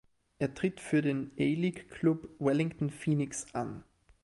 Er tritt für den A-League-Klub Wellington Phoenix an.